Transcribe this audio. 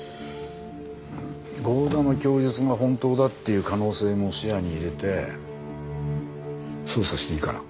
剛田の供述が本当だっていう可能性も視野に入れて捜査していいかな？